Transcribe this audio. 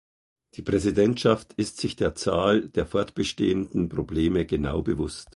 Die Präsidentschaft ist sich der Zahl der fortbestehenden Probleme genau bewusst.